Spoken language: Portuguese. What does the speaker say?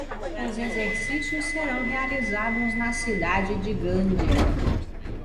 Os exercícios serão realizados na cidade de Gandia.